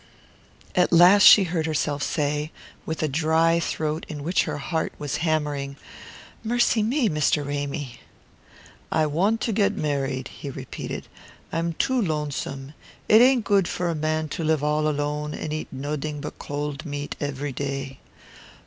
At last she heard herself say, with a dry throat in which her heart was hammering: "Mercy me, Mr. Ramy!" "I want to get married," he repeated. "I'm too lonesome. It ain't good for a man to live all alone, and eat noding but cold meat every day."